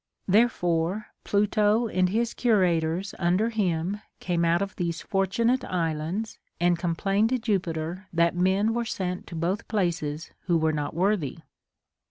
Therefore Pluto and his curators under him came out of these fortunate islands, and com plained to Jupiter that men were sent to both places Avho were not worthy.